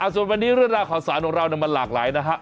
ส่วนวันนี้เรื่องราวข่าวสารของเรามันหลากหลายนะฮะ